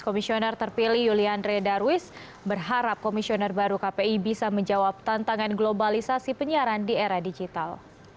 komisioner terpilih yulianre darwis berharap komisioner baru kpi bisa menjawab tantangan globalisasi penyiaran di era digital